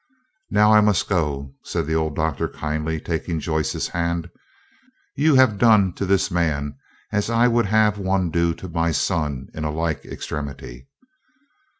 "Now I must go," said the old Doctor kindly, taking Joyce's hand. "You have done to this young man as I would have one do to my son in a like extremity."